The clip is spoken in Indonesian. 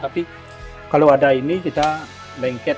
tapi kalau ada ini kita lengket